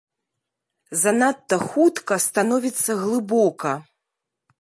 Занадта хутка становіцца глыбока.